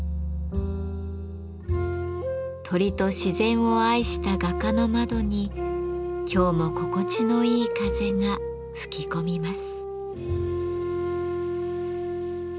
鳥と自然を愛した画家の窓に今日も心地のいい風が吹き込みます。